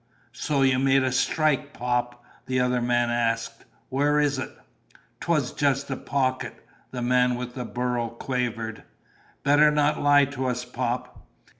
"So you made a strike, Pop?" the other man asked. "Where is it?" "'Twas just a pocket," the man with the burro quavered. "Better not lie to us, Pop."